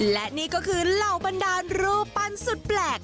และนี่ก็คือเหล่าบันดาลรูปปั้นสุดแปลก